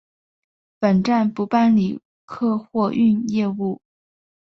本站不办理客货运业务。